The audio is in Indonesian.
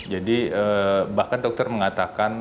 jadi bahkan dokter mengatakan